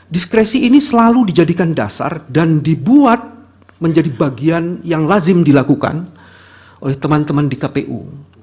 diskresi ini selalu dijadikan dasar dan dibuat menjadi bagian yang lazim dilakukan oleh teman teman di kpu